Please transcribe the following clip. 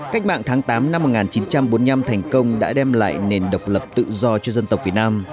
cách mạng tháng tám năm một nghìn chín trăm bốn mươi năm thành công đã đem lại nền độc lập tự do cho dân tộc việt nam